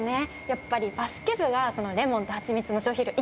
やっぱりバスケ部がレモンとはちみつの消費量